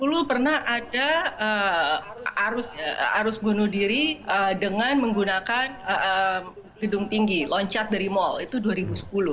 oke tahun dua ribu sepuluh pernah ada arus bunuh diri dengan menggunakan gedung tinggi loncat dari mall itu dua ribu sepuluh